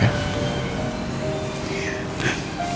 di rumah ya